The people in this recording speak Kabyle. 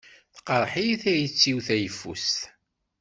Tqerreḥ-iyi tayet-iw tayeffust.